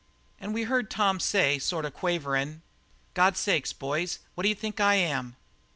"And we heard Tom say, sort of quaverin': 'God's sake, boys, what d'you think I am?'